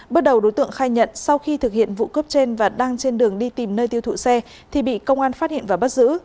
bước đầu đối tượng khai nhận sau khi thực hiện vụ cướp trên và đang trên đường đi tìm nơi tiêu thụ xe thì bị công an phát hiện và bắt giữ